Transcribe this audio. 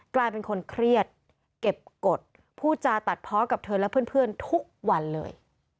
กลายเป็นคนเครียดเก็บกฎผู้จาตัดเพาะกับเธอและเพื่อนทุกวันเลย